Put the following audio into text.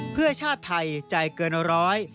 เพื่อชาติไทยใจเกินร้อย